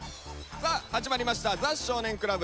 さあ始まりました「ザ少年倶楽部」